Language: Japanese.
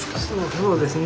そうですね。